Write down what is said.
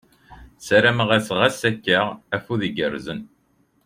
Ssarameɣ-as ɣas akka, afud igerrzen !